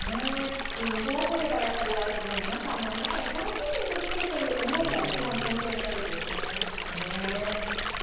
もとはといえばアイドルの皆さんも皆さんに楽しんでほしいという思いが一番根底にあると思いますからね。